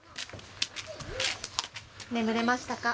眠れましたか？